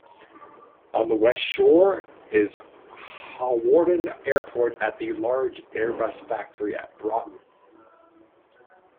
On the west shore is Hawarden Airport and the large Airbus factory at Broughton.